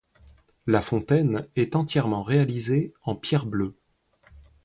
La fontaine est entièrement réalisée en pierre bleue.